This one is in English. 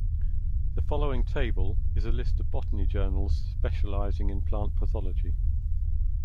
The following table is a list of botany journals specializing in plant pathology.